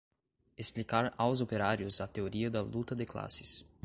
explicar aos operários a teoria da luta de classes